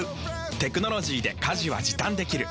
テクノロジーで家事は時短できる。